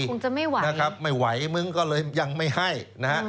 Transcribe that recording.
คงจะไม่ไหวนะครับไม่ไหวมึงก็เลยยังไม่ให้นะฮะ